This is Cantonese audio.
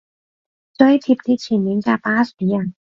追貼啲前面架巴士吖